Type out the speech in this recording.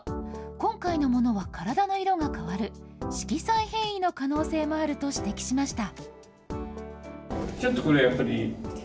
今回のものは体の色が変わる色彩変異の可能性もあると指摘しました。